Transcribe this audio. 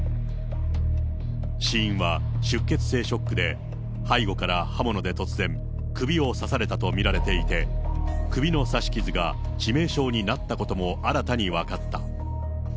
死因は出血性ショックで、背後から刃物で突然、首を刺されたと見られていて、首の刺し傷が致命傷になったことも新たに分かった。